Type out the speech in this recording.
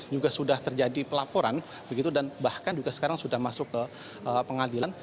juga sudah terjadi pelaporan begitu dan bahkan juga sekarang sudah masuk ke pengadilan